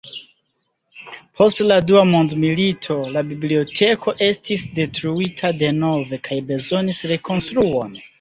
Post la Dua mondmilito, la biblioteko estis detruita denove kaj bezonis rekonstruon.